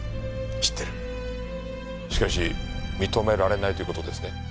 しかし認められないという事ですね？